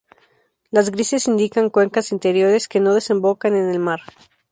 Las grises indican cuencas interiores que no desembocan en el mar.